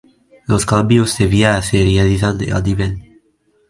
Los cambios de vía se realizan a nivel.